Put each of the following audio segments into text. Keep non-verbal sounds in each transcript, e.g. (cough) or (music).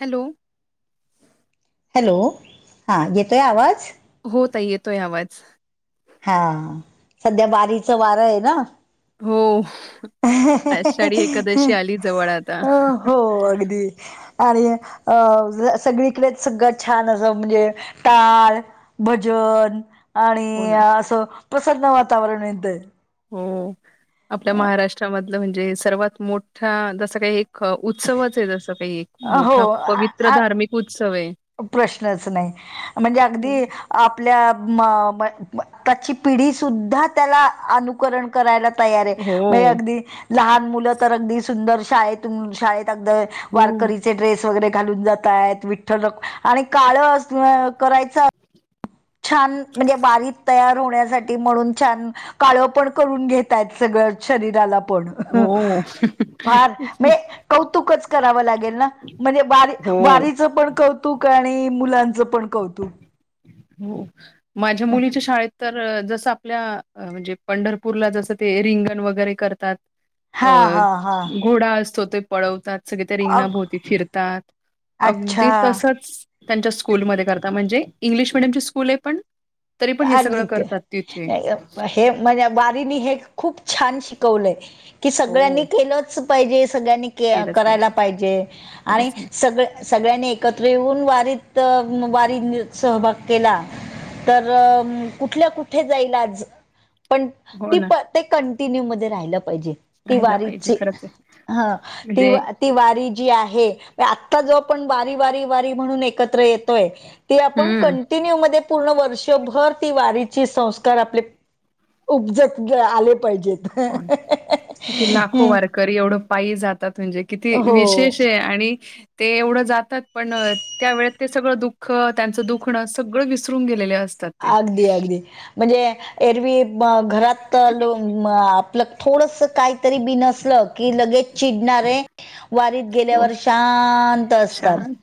Hello. Hello हा येतोय आवाज. हो ताई येतोय आवाज. हा सध्या बारीच वार आहे ना हो ह्या- ह्या आषाढी -ह्या एकादशी आली जवळ आता. -हा हो अगदी आणि अ सगळीकडेच सगळ छान अस म्हणजे टाळ भजन आणि हो ना. अस प्रसन्न वातावरण येतय हो आपल्या महाराष्ट्रामधल म्हणजे सर्वात मोठा जस काही ख उत्सवच आहे जस काही हो मोठा आ पवित्र आ- धार्मिक उत्सव आहे. प्रश्नच नाही म्हणजे हो. अगदी आपल्या म म म त्याची पिढी सुद्धा त्याला अनु करण करायला तयार आहे हो. म अगदी लहान मुल तर अगदी सुंदर शाळेतून शाळेत अगदी वारकरी ड्रेस वगैरे घालून जातायेत विठ्ठल रुक आणि काळ अस करायच छान म्हणजे बारीक तयार होण्यासाठी म्हणून छान काळ पण करून घेतायेत सगळ शरीराला पण हो. फार म कौतुकच कराव लागेल ना म्हणजे वारी हो. वारीच पण कौ तुक आणि मुलांच पण कौतुक. हो, माझ्या मुलीच्या शाळेत तर जस आपल्या अ म्हणजे पंढरपूरला जस ते रिंगण वगैरे करतात अ हा हा हा घोडा असतो ते पळवतात सगळी त्या अ रिंगणाभोवती फिरतात अगदी अच्छा तसच त्यांच्या स्कूलमध्ये करता म्हणजे इंग्लिश मिडीयम ची स्कूलये पण तरी पण हे सगळ अगदी ते करतात तिथे. हे म्हणजे वारीनी हे खूप छान शिकवलंय की, हो सगळ्यांनी केलच पाहिजे सगळ्यांनी के करायला पाहिजे आणि खरंच ना. सगळ सगळ्यांनी एकत्र येऊन वारीत वारी सहभाग केला तर कुठल्या कुठे जाईल आज पण हो ती ना प ते कंटिन्यू मध्ये राहि पाहिजे ती राहायला पाहिजे वारीची खरंच आहे ह ती म्हणजे वा ती वारी जी आहे, आत्ता जो आपण वारी वारी वारी म्हणून एकत्र येतोय ती आपण हं. कंटिन्यू मध्ये पूर्ण वर्ष त्यो भर ती वारीची संस्कार आपले उपजत आले पाहिजेत (inaudible) करी एवढ पायी जातात म्हणजे किती हो. विशेष आहे आणि- ते एवढ जातात पण त्या वेळेत ते सगळ दुःख त्यांच दुखण सगळ विसरून गेलेले असत. अगदीं अगदीं म्हणजे एरव्ही घरांत लो आपलं थोडंसं कांहीतरी बिनसलं की लगेच चिडणारे वारीत हो. गेल्यांवर शांत असतांत छान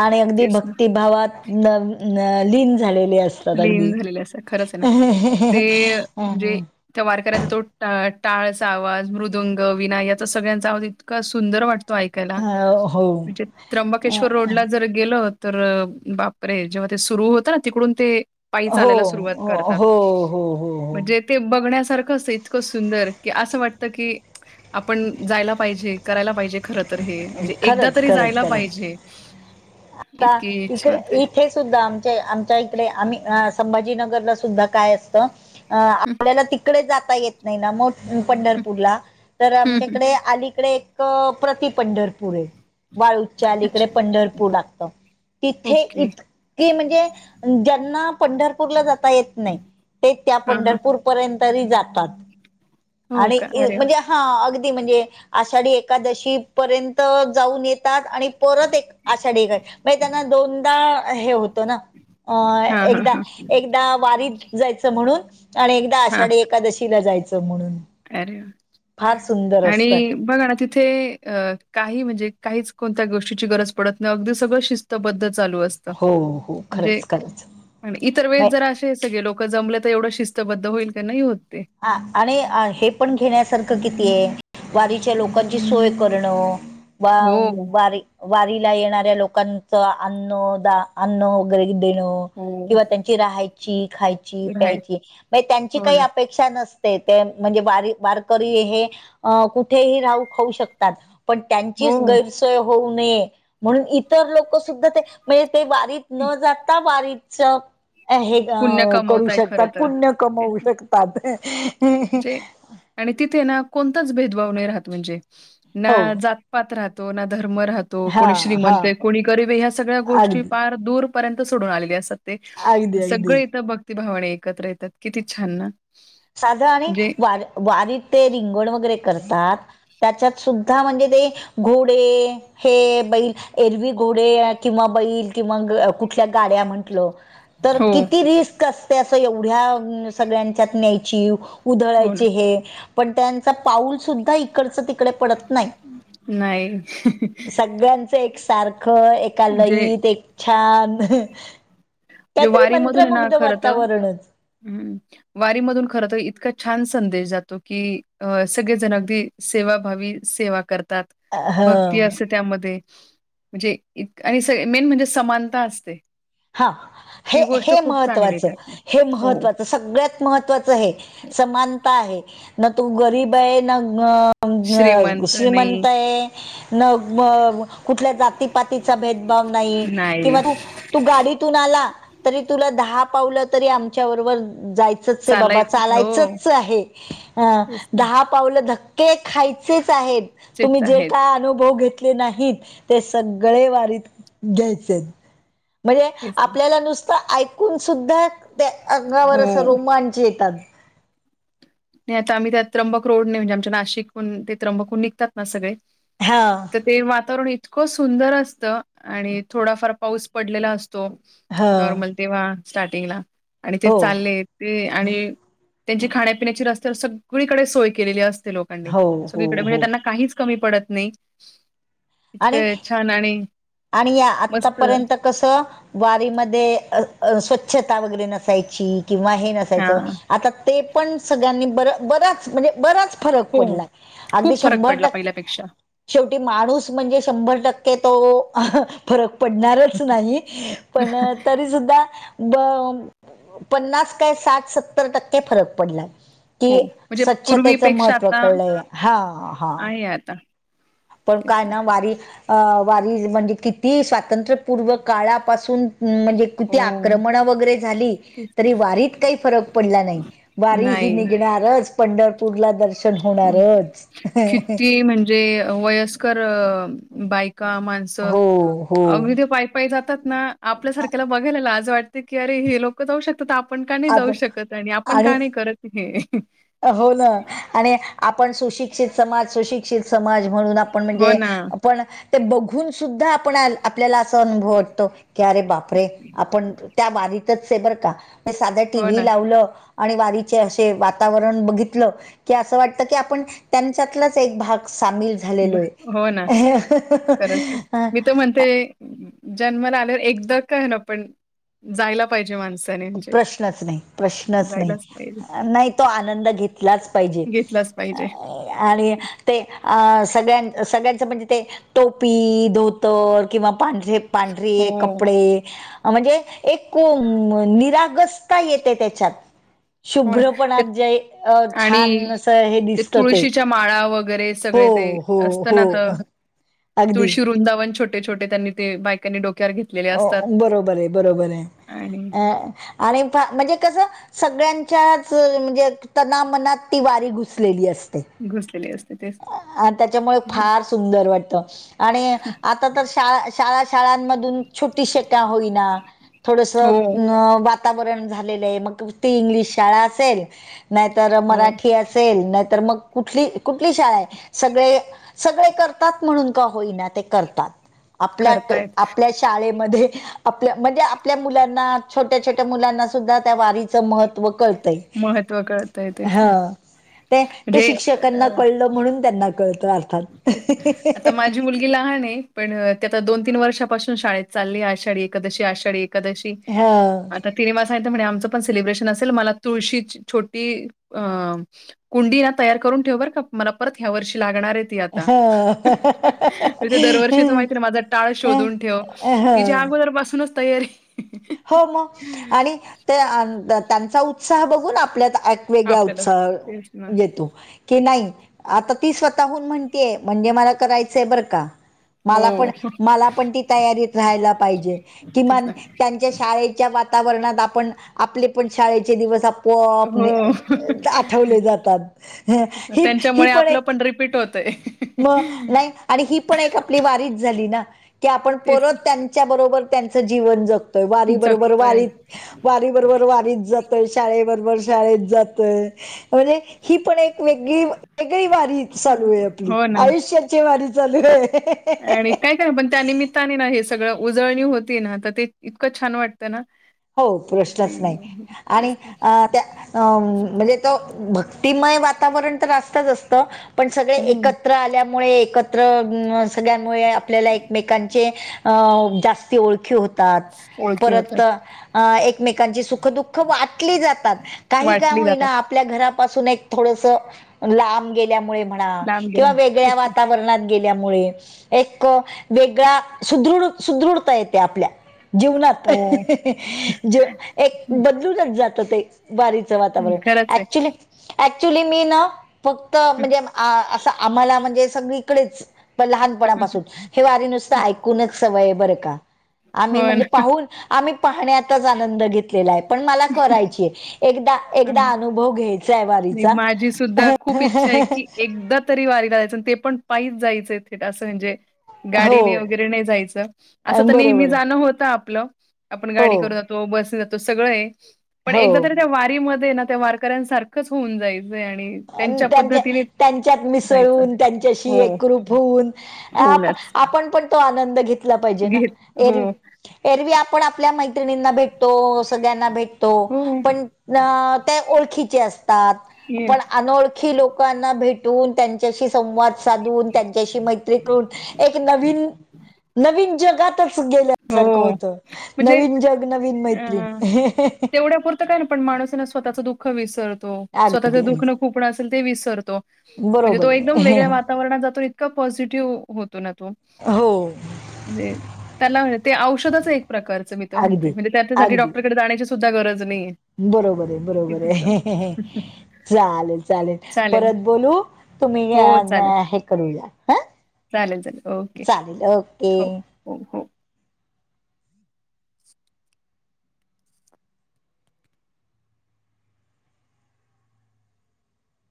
आणि अगदी तेच भक्तिभावांत- नं लीन झालेली असतांत जाणारं अगदी लीन झालेले असतात खरंच आहे ना. हं हं त्यां वारकऱ्यांचा तो टां टाळंचा आवांज मृदुंग विना यांचा सगळ्यांचा आवाज इतंका सुंदर वाटतो. तो ऐकायलां अ, हो. म्हणजे अ, त्र्यंबकेश्वर रोड लां जरं गेलो. तरं बापरे जेंव्हा ते सुरूं होतं नां तिकडूंन ते- पायी हो, चालांयला सुरुवांत हो, करतांत हो, हो, हो. म्हणजे- ते बघण्यांसारखं असंते इतकं सुंदर की असं वाटतं की. आपणं जायंला पाहिजे करायंला पाहिजे. खरं तरं हे म्हणजे एकदां खरंच, तरी खरंच, जायंला खरंच. पाहिजे इतकी ईच्छा होते. सुद्धां आम आमच्यां ईकडे आम्हीं संभाजीनगर सुद्धां कायं असतें अं हं, आपल्यांला तिकडे जांता येतं नाहीं नां. मं पंढरपूरला तरं हं, हं, हं. आमच्यांकडे अलीकडे एक प्रति पंढरपूर आहे. वाळूंजच्या अलीकडे अच्छा. पंढरपूर लागत तिथे ओके. एक कि म्हणजे ज्यांना पंढरपूरला जांता येतं नाहीं ते त्यां हां, हां. पंढरपूर- पर्यंत तरी जातांत हो आणि का? अरे वाह! म्हणजे- हां अगदीं म्हणजे आषाढी एकादशी पर्यंत जाऊंन येतांत. आणि- परंत एक आशाढी कायं मं त्यांना दोनदा हे होतं नां- अं हां, हां, एकदां हां, एकदां वारीतं जायचं म्हणूंन आणि एकदां हां. आषाढी एकादशीला जायचं म्हणूंन. अरे वा आणि बघां नां ती - तिथे कांहीं म्हणजे काहींचं कोणत्यां गोष्टीची गरजं पडतं नाहीं अगदीं सगळं शिस्तबद्ध चालूं असतें. हो हो म्हंणजे- खरंच खरंच आणि ईतर वेळेस म्हणजे जरां असे सगळें लोक जमले तरं एवढं शिस्तबद्ध होईल की नाहीं होते. हं आणि हे पणं घेण्यांसारखं किती आहे वारीच्यां हं. लोकांची सोय- करण बां हो, वारी वारीला येणाऱ्यां लोकांचं अन्नदांन अन्न वगैरें देणं. हो. किंवा त्यांची राहांयची खांयची राईट. प्यायची त्यांची हो कायं ना. अपेक्षां नसते ते म्हंणजे वारी वारकरी हे अं कुठेही रांहु खाऊं शकतांत. पणं हो, त्यांचीच गैरसोय होऊं नये म्हणूंन इतर लोक सुद्धां त्यांची म्हंणजे ते वारीतं नं जांता वारीचं - अं हे पुण्य करूं कमवताय खरं शकतांत तर. पुण्यं तेच. कमवूं शकतांत. म्हणजे आणि तिथे नां कोणतांच भेदभांव नाहीं राहतं म्हणजे हो नां जातं पांत राहतो नां धर्म राहतो हा कोणी हा श्रीमंत आहे कोणी गरीब ह्यां सगळ्यां गोष्टी अगदी पार- दूरपर्यंत सोडूंन आलेले असतांत ते. अगदी अगदी भक्ती भावांने एकत्रं येतांत किती छान नां. साध आणि वारं वारीतं ते रिंगण वगैरें करतांत. त्यांच्यात सुद्धां म्हणजे ते घोडे- हे बैल एरवी घोडे किंवा बैल किंवा कुठल्यां गाड्यां म्हंटल. तरं हो किती रिस्क असते असं एवढ्यां सगळ्यांच्यात न्यांयची. हो ना उधळायचे हे पणं त्यांचा पाऊल सुद्धां इकडचं ती - तिकडं पडतं नाहीं. नाही सगळ्यांचं एकसारखं - सारखं एका जे लयीत, एक छान जे काहीतरी वारीमधून आहे ना मंत्रमुग्ध खरं तर वातावरणच. हम्म वारीमधून खर तर इतका छान संदेश जातो की अ सगळेजण अगदी सेवाभावी सेवा करतात. भक्ती ह असते त्यामध्ये म्हणजे आणि स मेन म्हणजे समानता असते. हा. हे ती गोष्ट हे खूप चांगली आहे महत्त्वाचं, त्यातल्या हे हो महत्त्वाचं. सगळ्यात महत्त्वाच हे हो समानता आहे, न तो गरीब आहे न न श्रीमंत नाही श्रीमंतय न ग कुठल्या जातीपातीचा भेदभाव नाही किंवा तू तू गाडीतून आला तरी तुला दहा पावलं तरी आमच्या बरोबर जाय. च आहे बाबा ते. चालायचं हो च आहे. आ तेच ना दहा पावल धके खायचेच आहेत, तुम्ही तेच जे आहेत काय अनुभव तले. नाहीत ते सगळे वारीत घ्यायचेत. म्हणजे तेच ना आपल्याला नुसतं ऐकून सुद्धा त्या अंगावर असं हो रोमांच येतात. नाही आता आम्ही त्यात त्र्यंबक रोड नाही म्हणजे आमच्या नाशिकून ते त्र्यंबकहून निघतात ना सगळे हां. ते वातावरण इतकं सुंदर असतं आणि थोडाफार पाऊस पडलेला असतो. तो हां नॉर्मल तेव्हा स्टार्टिंगला आणि ते हो चालले ते आणि त्यांची खाण्यापिण्याची रस्त्यावर सगळीकडे सोय केलेली असते लोक हो हो सगळीकडे म्हणजे हो त्यांना काहीच कमी पडत नाही आणि इतक छान आणि आणि या मस्त आतापर्यंत कस वारी मध्ये अ स्वच्छता वगैरे नसायची किंवा हे न हा सायच आता ते पण सगळ्यांनी बर बरच म्हणजे बरच. फरक हो हो. पडलाय अगदी खूप फरक शंभर पडला पहिल्यापेक्षा टक्के शेवटी माणूस म्हणजे शंभर टक्के तो फरक पडणारच नाही पण तरी सुुद्धा ब पन्नास काय साठ सत्तर टक्के फरक पडलाय. कि हो म्हणजे स्वच्छतेचं पूर्वीपेक्षा महत्त्व कळलंय. हा हा. हे आता पण काय ना वारी अ वारी म्हणजे किती स्वातंत्र्यपूर्व काळापासून म्हणजे किती हो आक्रमण वगैरे झाली तेच. तरी वारीत काही फरक पडला नाही. वारी ही नाही निघणारच पंढरपूर ला दर्शन होणारच किती म्हणजे वयस्कर बायका, माण स हो हो अगदी ते पायी पायी जातात ना आपल्यासारख्याला बघायला लाज वाट की अरे हे लोक जाऊ शकतात तर आपण का नाही जाऊ आपण शकत आणि आपण का नाही करत हे. हो ना आणि आपण सुशिक्षित समाज, सुशिक्षित समाज म्हणून हो म्हणजे ना आपण ते बघून सुद्धा आपण आपल्याला अस अनुभव वाटतो. की अरे बापरे आपण त्या बारीतचय बरं का म साधं हो टीव्ही ना लावलं. आणि वारीचे असे वा. तावरण बघितलं की अस वाटत की आप त्यांच्यातलाच एक भाग सामि ब झालेलोय. हो ना ते जन्माला आलेवर एकदा काय होईना पण जायला पाहिजे माणसाने. म्हणजे प्रश्नच नाही, प्रश्नच नाही, जायलाच पाहिजे नाही तो आनंद घेतलाच पाहिजे. घेतलाच पाहिजे अ आणि ते अं सगळ्यां सगळ्यांचं म्हणजे ते टोपी, धोतर किंवा पांढरे हो ड्रे, कपडे म्हणजे एको म निरागसता येते त्याच्यात. हो ना शुभ्र पणा ते जे, अ, आणि छान अस हे दिसत ते. माळा वगैरेस हो सगळ ते हो असत हो ना, त अगदी तुळशी वृंदावन छोटे- छोटे त्यांनी ते बायकांनी डोक्यावर घेतलेले असतात अ बरोबरय, बरोबरय, आणि अ आणि पा म्हणजे कसं सगळ्यांच्याच म्हणजे तनामनात ती वारी घुसलेली असते. घुसलेले असत. आं, त्याच्यामुळे फार सुंदर वाटत. आणि आता तर शाळा -शाळा शाळांमधून छोटी शेका होईना. थोडस, हो वातावरण झालेलं आहे, मग ती इंग्लिश शाळा असेल. नाहीतर हो मराठी असेल, नाहीतर मग कुठली, कुठली शाळा आहे. सगळे सगळे करतात म्हणून का होईना ते करतात, आपल्यात करतायत -आपल्या शाळेमध्ये आपल्या, म्हणजे आपल्या मुलांना छोट्या -छोट्या मुलांना सुद्धा त्या वारीचं महत्त्व कळतंय. महत्त्व कळतय हो तेसन, ते ते म्हणजे शिक्षकांना अ कळलं म्हणून त्यांना कळत अर्थात. ती मुलगी लहान हेय, पण ती आता दोन -तीन वर्षापासून शाळेत चालली आषाढी- एकादशी आषाढी -एकादशी. हो आता तिने मला सांगीतले म्हणे आमचं पण सेलिब्रेशन असेल मला तुळशीची, छोटी अ कुंडी या तयार करून ठेव बरं का! मला परत ह्या वर्षी लागणार आहेत आता हो ते दरवर्षीच माहिती ना माझा टाळ शोधून ठेव. हो तिची अगोदर पासूनच तयारी. हो मग आणि त्या त्यांचा उत्साह बघून आपल्या वेगळा आपल्याला उत्साह तेच ना. येतो. कि नाही आता ती स्वतःहून म्हणतीय म्हणजे मला करायचंय बरं का! मला पण, हो. मला पण ती तयारीत राहायला पाहिजे तेच किमान ना. त्यांच्या शाळेच्या वातावरणात आपण, आपले पण शाळेचे दिवस आप पपने हो. आठवले जातात, हं ही ही पण एक रिपट होत. तर ह म नाही आणि ही पण एक आपली वारीच झाली ना की आपण तेच परत त्यां च्या बरोबर त्यांच जीवन जगतोय, वारीबरोबर जगतोय वारीत, वारी बरोबर वारीत जातो. शाळेबरोबर शाळेत जातोय, म्हणजे ही पण एक वेगळी वेगळी वारी चालूय आपली. हो ना आयुष्याची वारी चालूय. आणि काय काय पण त्यानिमित्ताने ना हे सगळं उजळणी होती ना तर ते इतकं छान वाटतं ना. हो की प्रश्नच नाही, आणि तेच ना अं त्या अं म्हणजे भक्तिमय वातावरण तर असतच असत, पण सगळे एकत्र हम्म एकत्र आल्यामुळे, एकत्र सगळ्यांमुळे आपल्याला एकमेकांचे अ, जास्ती ओळखी होतात ओळखी परत, होतात एक एकमेकांची सुख -दुःख वाटली जातात काही का वाटली होईना जातात आपल्या घरापासून एक थोडस लांब गेल्यामुळे म्हणा, लांब किंवा गेल्या वेगळ्या तेच ना वातावरणात गेल्यामुळे, एक वेगळा सुदृढ, सुदृढता येते आपल्या- जीवनात हे, हो हे ज एक बदलूनच जात ते वारीचं मग वातावरण खरंच आहे ऍक्च्युली, ऍक्च्युली मी ना फक्त म्हणजे, आं असं आम्हाला म्हणजे सगळीकडेच. लहानपणापासून. हे वारी नुसतं ऐकूनच सवयय बरं का. आम्ही हो म्हणजे पाहून, आम्ही पाहण्यातच आनंद घेतलेलाय. पण मला करायचीय. एकदा- ना एकदा अनुभव घ्याय माझी सुद्धा, खूप इच्छाय की, एकदा तरी वारीला जायच. ते पण पाईच जायचं, थेट. असं म्हणजे हो गाडीने वगैरे नाही जायचं. असं अं, तर नेहमी बरोबर आहे जाणं होत आपलं. आपण हो गाडी करुन तो. बसने जातो. सगळय. पण एकदा हो तरी त्या वारीमध्ये ना, त्या वारकऱ्यांसारखं खच होऊन जायचंय आणि अन् त्यांच्या- पद्धतीने त्यांच्यात जायचं. मिसळून, त्यांच्याशी हो, एकरूप होऊन. आपण होऊनच - आपण पण, तो आनंद घेतला पाहिजे ना. घेत हो, एर एरवी आपण, आपल्या मैत्रिणींना भेटतो. सगळ्यांना भेटतो. हो, पण न ते ओळखीचे असतात. येस, पण अनोळखी लोकांना भेटून. त्यांच्याशी संवाद साधून. त्यांच्याशी मैत्री करून एक नवीन, नवीन जगात तच गेल्यासारखं हो. होत. म्हणजे नवीन जग, नवीन मैत्रीण. अ (unintelligible) तेवढ्यापुरतं काय ना पण मानुसयना, स्वतःचं दुःख विसरतो. स्वतःचं अगदी अगदी दुखनं - खुपणं असेल, ते विसरतो. म्हणजे, बरोबर तो एकदम आहे वेगळ्या वातावरणात जातो. इतका पॉझिटिव्ह होतो ना, तो. हो. म्हणजे त्याला ते औषधचय एक प्रकारचं. मी त म्हणते. अगदी म्हणजे, त्यासाठी डॉक्टरकडे जाण्याची सु सुद्धा गरज नाहीय. बरोबरय, बरोबरय. (unintelligible) चालेल- चालेल. परत बोलू. तुम्ही हो या न चालेल हे करूया. हं. चालेल चालेल ओके चालेल, ओके. हो हो, हो.